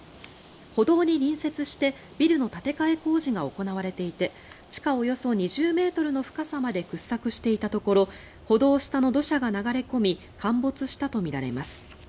歩道に隣接してビルの建て替え工事が行われていて地下およそ２０ｍの深さまで掘削していたところ歩道下の土砂が流れ込み陥没したとみられます。